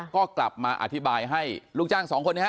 ก็กลับมาอธิบายให้ลูกจ้างสองคนนี้ฮ